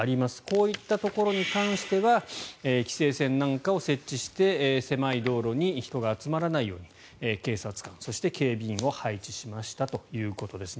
こういったところに関しては規制線なんかを設置して狭い道路に人が集まらないように警察官そして警備員を配置しましたということです。